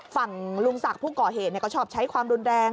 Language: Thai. ฝั่งลุงศักดิ์ผู้ก่อเหตุก็ชอบใช้ความรุนแรง